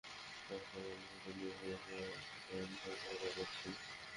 তার পরও অলিখিত নিয়ম হয়ে যাওয়ায় এটা বন্ধ করা যাচ্ছে না।